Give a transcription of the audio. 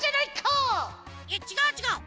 いやちがうちがう！